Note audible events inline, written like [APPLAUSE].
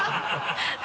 ハハハ [LAUGHS]